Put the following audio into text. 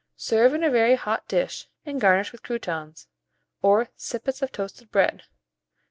Serve in a very hot dish, and garnish with croûtons, or sippets of toasted bread.